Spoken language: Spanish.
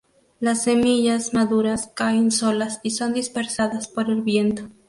Las semillas maduras caen solas y son dispersadas por el viento.